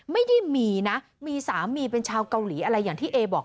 ไม่ได้มีนะมีสามีเป็นชาวเกาหลีอะไรอย่างที่เอบอก